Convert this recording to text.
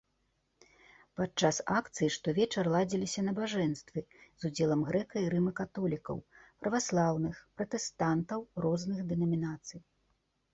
Падчас акцыі штовечар ладзіліся набажэнствы з удзелам грэка- і рыма-каталікоў, праваслаўных, пратэстантаў розных дэнамінацый.